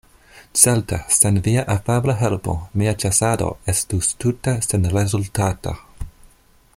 Certe, sen via afabla helpo mia ĉasado estus tute senrezultata.